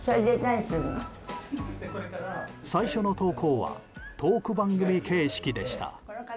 最初の投稿はトーク番組形式でした。